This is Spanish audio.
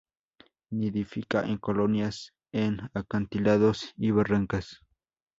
Nidifica en colonias en acantilados y barrancas.